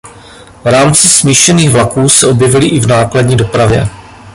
V rámci smíšených vlaků se objevily i v nákladní dopravě.